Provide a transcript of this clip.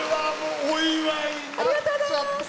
おめでとうございます！